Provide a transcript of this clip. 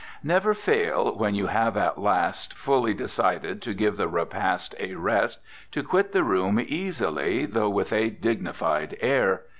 Never fail, when you have at last fully decided to give the repast a rest, to quit the room easily, though with a dignified air.